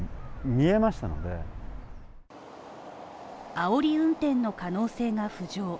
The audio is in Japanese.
あおり運転の可能性が浮上。